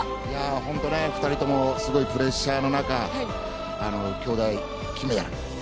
本当、２人ともすごいプレッシャーの中兄妹金メダル。